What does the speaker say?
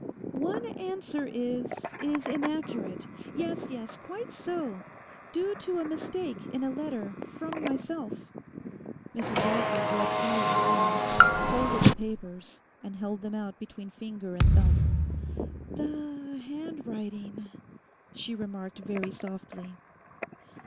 'One answer is—is inaccurate. 'Yes, yes, quite so: due to a mistake in a letter from myself.' Mrs Lawford read quietly on, folded the papers, and held them out between finger and thumb. 'The—handwriting...' she remarked very softly.